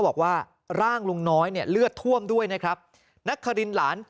บอกว่าร่างลุงน้อยเนี่ยเลือดท่วมด้วยนะครับนักคารินหลาน